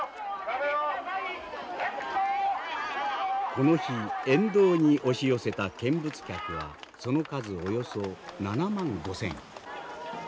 この日沿道に押し寄せた見物客はその数およそ７万５，０００。